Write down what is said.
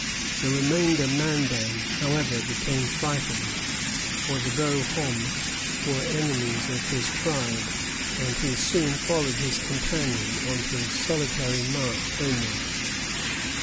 The remaining Mandan, however, became frightened, for the Beaux Hommes were enemies of his tribe, and he soon followed his companion on his solitary march homeward.